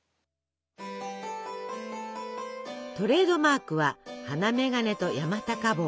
トレードマークは鼻眼鏡と山高帽。